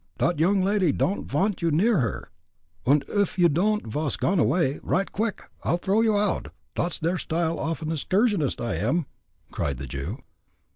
Dot young lady don'd vant you near her, und uff you don'd vas gone away, right off quick, I'll throw you oud dot's der style off an excursionist I am!" cried the Jew.